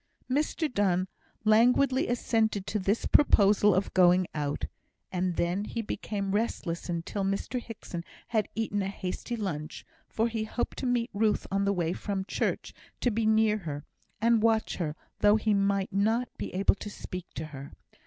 Mr Donne languidly assented to this proposal of going out; and then he became restless until Mr Hickson had eaten a hasty lunch, for he hoped to meet Ruth on the way from church, to be near her, and watch her, though he might not be able to speak to her.